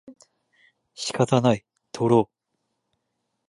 仕方ない、とろう